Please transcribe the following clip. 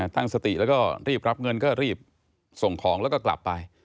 ตั้งสติแล้วก็รีบรับเงินก็รีบส่งของแล้วก็กลับไป